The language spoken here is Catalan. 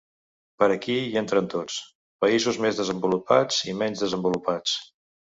Però aquí hi entren tots, països més desenvolupats i menys desenvolupats.